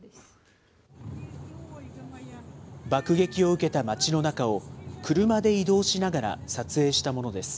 爆撃を受けた街の中を、車で移動しながら撮影したものです。